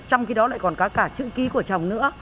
trong khi đó lại còn có cả chữ ký của chồng nữa